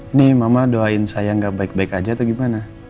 ini mama doain saya gak baik baik aja atau gimana